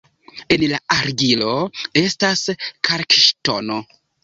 En la argilo estas kalkŝtono.